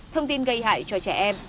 thông tin gây hại cho trẻ em